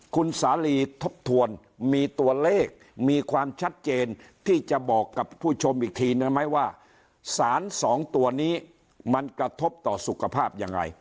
คุณสาลีทบทวนมีตัวเลขมีความชัดเจนที่จะบอกกับผู้ชมอีกทีนึงไหมว่าสารสองตัวนี้มันกระทบต่อสุขภาพยังไง